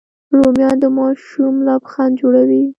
رومیان د ماشوم لبخند جوړوي